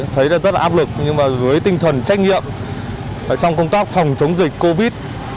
thấy rất là áp lực nhưng mà với tinh thần trách nhiệm trong công tác phòng chống dịch covid